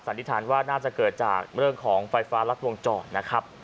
นิษฐานว่าน่าจะเกิดจากเรื่องของไฟฟ้ารัดวงจอดนะครับ